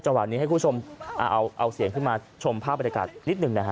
จังหวัดนี้ให้คุณผู้ชมเอาเสียงขึ้นมาชมภาพบริการนิดนึงนะฮะ